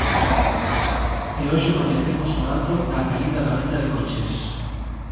E hoxe coñecemos o dato da caída da venda de coches.